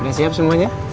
udah siap semuanya